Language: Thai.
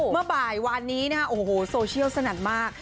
เมื่อบ่ายวานนี้นะฮะโอ้โหโซเชียลสนั่นมาก